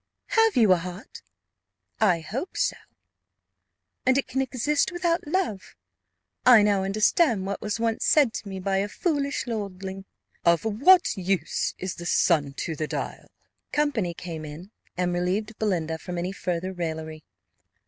"Have you a heart?" "I hope so." "And it can exist without love? I now understand what was once said to me by a foolish lordling: ' Of what use is the sun to the dial?'" Company came in, and relieved Belinda from any further raillery.